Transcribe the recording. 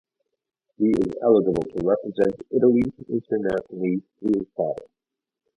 He is eligible to represent Italy internationally through his father.